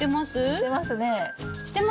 してますね。